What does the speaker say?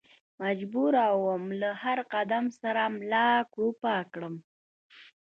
مجبور ووم له هر قدم سره ملا کړوپه کړم.